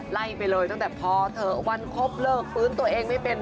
ไล่ไปเลยตั้งแต่พอเถอะวันครบเลิกฟื้นตัวเองไม่เป็น